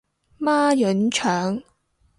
孖膶腸